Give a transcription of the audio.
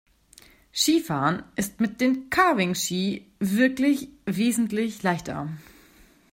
Skifahren ist mit den Carving-Ski wirklich wesentlich leichter.